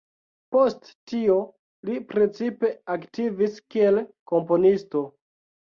Post tio li precipe aktivis kiel komponisto.